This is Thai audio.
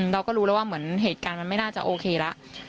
เราก็รู้แล้วว่าเหมือนเหตุการณ์มันไม่น่าจะโอเคแล้ว